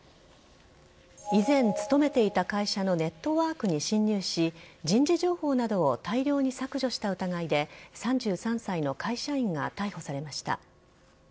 以前勤めていた会社のネットワークに侵入し、人事情報などを大量に削除した疑いで、３３歳の会社員が逮捕されました。